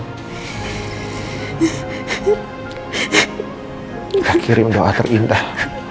saya kirim doa terintah